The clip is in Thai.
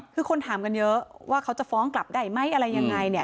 คือคนถามกันเยอะว่าเขาจะฟ้องกลับได้ไหมอะไรยังไงเนี่ย